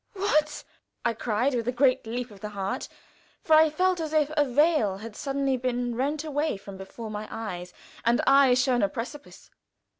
"What?" I cried, with a great leap of the heart, for I felt as if a veil had suddenly been rent away from before my eyes and I shown a precipice.